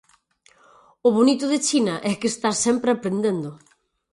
O bonito de China é que estás sempre aprendendo.